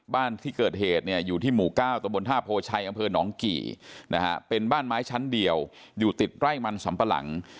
บ้านที่เกิดเหตุเนี่ยอยู่ที่หมู่๙ตะบนท่าโพชัยอำเภอหนองกี่นะฮะเป็นบ้านไม้ชั้นเดียวอยู่ติดไร่มันสำปะหลัง